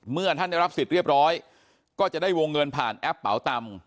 เมื่อท่านได้รับสิทธิ์เรียบร้อยก็จะได้วงเงินผ่านแอปเป๋าตังค์